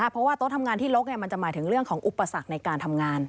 เพราะว่าโต๊ะทำงานที่ลกมันจะหมายถึงเรื่องของอุปสรรคในการทำงาน